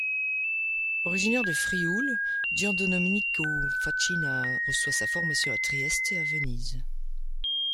Originaire du Frioul, Giandomenico Facchina reçoit sa formation à Trieste et à Venise.